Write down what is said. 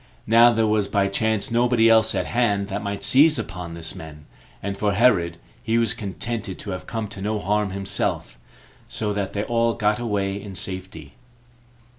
Now there was by chance nobody else at hand that might seize upon these men; and for Herod, he was contented to have come to no harm himself, so that they all got away in safety.